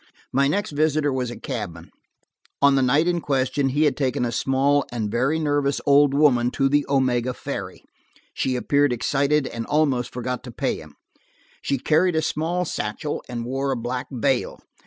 My next visitor was a cabman. On the night in question he had taken a small and a very nervous old woman to the Omega ferry. She appeared excited and almost forgot to pay him. She carried a small satchel, and wore a black veil.